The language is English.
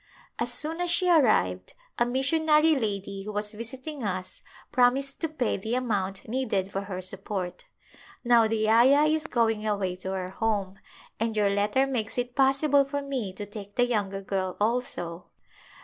As soon as she arrived a missionary lady who was visiting us promised to pay the amount needed for her support. Now the ayah is going away to her home and your letter makes it possible for me to take the younger girl also.